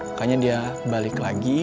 makanya dia balik lagi